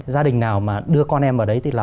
gia đình nào mà đưa con em vào đấy thì là